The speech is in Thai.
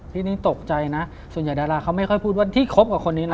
ยิ่งตกใจนะส่วนใหญ่ดาราเขาไม่ค่อยพูดว่าที่คบกับคนนี้นะ